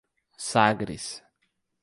Sagres